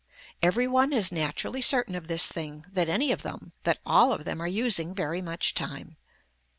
Every one is naturally certain of this thing, that any of them, that all of them are using very much time.